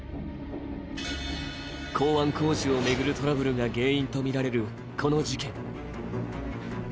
港湾工事を巡るトラブルが原因とみられるこの事件。